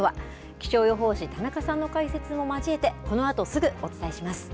気象予報士、田中さんの解説も交えて、このあとすぐお伝えします。